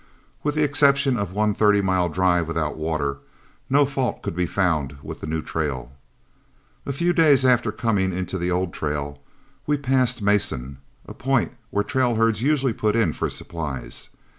With the exception of one thirty mile drive without water, no fault could be found with the new trail. A few days after coming into the old trail, we passed Mason, a point where trail herds usually put in for supplies.